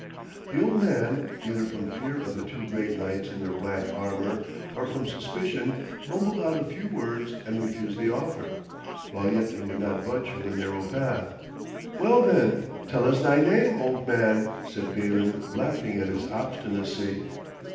The old man, either from fear of the two great knights in their black armour, or from suspicion, mumbled out a few words and refused the offer, while yet he would not budge from the narrow path. 'Well, then, tell us thy name, old man,' said Balin, laughing at his obstinacy.